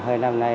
gần hai năm nay